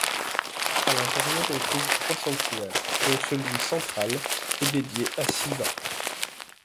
À l'intérieur on trouve trois sanctuaires, dont celui central est dédié à Śiva.